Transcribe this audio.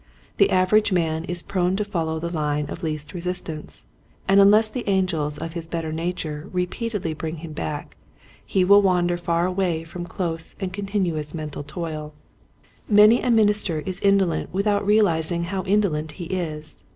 The average man is prone to follow the line of least resistance, and unless the angels of his better nature repeatedly bring him back, he will wander far away from close and continuous mental toil. 42 Quiet Hints to Growing Preachers. Many a minister is indolent without realizing how indolent he is.